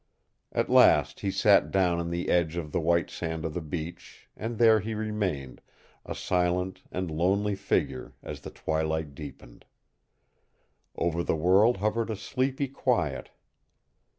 At last he sat down in the edge of the white sand of the beach, and there he remained, a silent and lonely figure, as the twilight deepened. Over the world hovered a sleepy quiet.